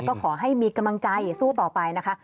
ก็ขอให้มีกำลังใจสู้ต่อไปนะคะ